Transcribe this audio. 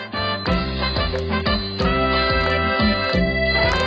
โฮฮะไอ้ยะ